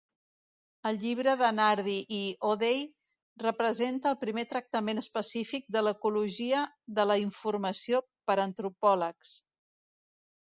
El llibre de Nardi i O'Day representa el primer tractament específic de l'ecologia de la informació per antropòlegs.